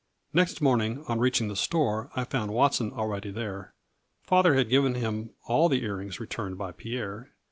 Next morning, on reaching the store, I found Watson already there. Father had given him all the ear rings returned by Pierre.